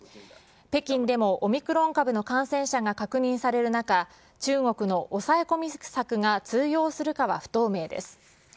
北京でもオミクロン株の感染者が確認される中、中国の抑え込み策が通用するかは不透明です。